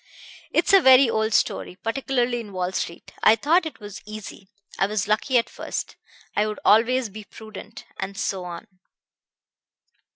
It's a very old story particularly in Wall Street. I thought it was easy; I was lucky at first; I would always be prudent and so on.